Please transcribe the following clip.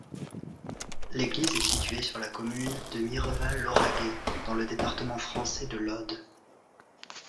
L'église est située sur la commune de Mireval-Lauragais, dans le département français de l'Aude.